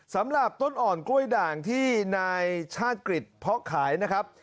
สำหรับต้นอ่อนกล้วยด่างที่นายชาติกฤษเพาะขายนะครับ